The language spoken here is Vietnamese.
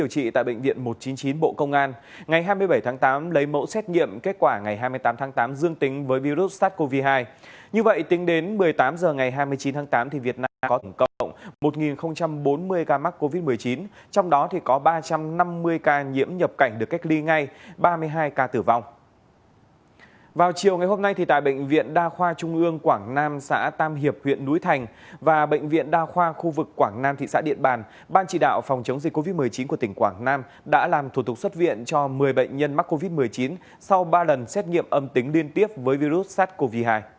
cho một mươi bệnh nhân mắc covid một mươi chín sau ba lần xét nghiệm âm tính liên tiếp với virus sars cov hai